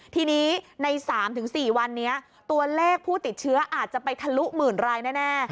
ทีนี้ใน๓๔วันนี้ตัวเลขผู้ติดเชื้ออาจจะไปทะลุหมื่นรายแน่